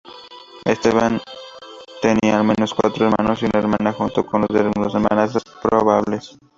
Esteban tenía al menos cuatro hermanos y una hermana, junto con dos hermanastras probables.